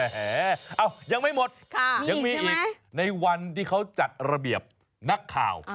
ยังไม่หมดยังมีอีกในวันที่เขาจัดระเบียบนักข่าว